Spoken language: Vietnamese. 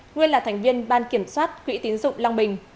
nguyên là thành viên ban kiểm soát quỹ tiến dụng long bình